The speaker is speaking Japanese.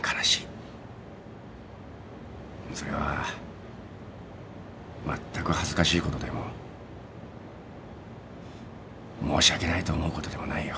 それはまったく恥ずかしいことでも申し訳ないと思うことでもないよ。